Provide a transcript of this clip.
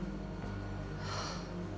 はあ。